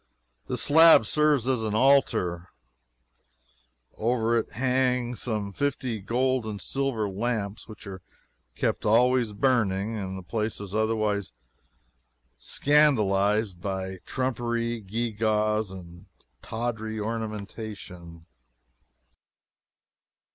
This slab serves as an altar, now. Over it hang some fifty gold and silver lamps, which are kept always burning, and the place is otherwise scandalized by trumpery, gewgaws, and tawdry ornamentation.